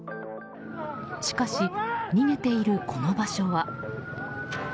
しかし、逃げているこの場所は。